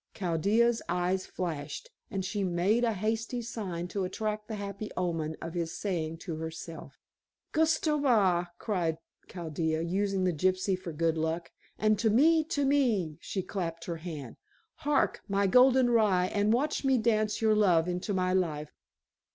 Chaldea's eyes flashed, and she made a hasty sign to attract the happy omen of his saying to herself. "Kushto bak," cried Chaldea, using the gypsy for good luck. "And to me, to me," she clapped her hand. "Hark, my golden rye, and watch me dance your love into my life."